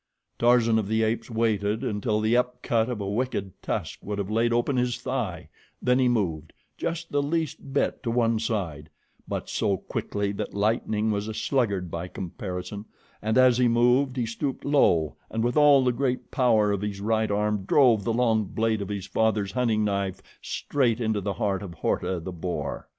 Tarzan of the Apes waited until the upcut of a wicked tusk would have laid open his thigh, then he moved just the least bit to one side; but so quickly that lightning was a sluggard by comparison, and as he moved, he stooped low and with all the great power of his right arm drove the long blade of his father's hunting knife straight into the heart of Horta, the boar.